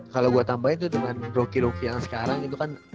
kalo gue tambahin tuh dengan roki roki yang sekarang itu kan